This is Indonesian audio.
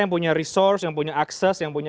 yang punya resource yang punya akses yang punya